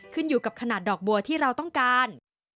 ขึ้นอยู่กับขนาดดอกบัวที่เราต้องการ